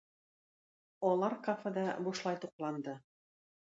Алар кафеда бушлай тукланды.